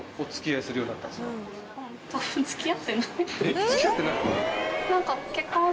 えっ付き合ってない？